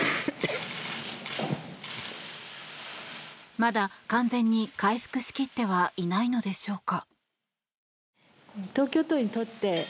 まだ完全に回復しきってはいないのでしょうか。